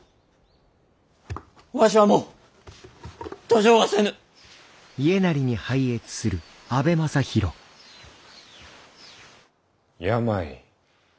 わしはもう登城はせぬ！病。